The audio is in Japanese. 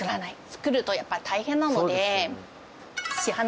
作るとやっぱり大変なので。